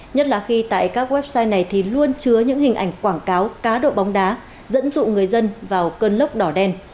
nhất là khi tại các website này thì luôn chứa những hình ảnh quảng cáo cá độ bóng đá dẫn dụ người dân vào cơn lốc đỏ đen